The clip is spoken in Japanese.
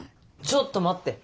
ちょっと待って！